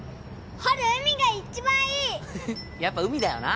陽海が一番いいやっぱ海だよな